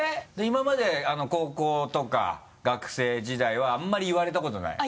今まで高校とか学生時代はあんまり言われたことない？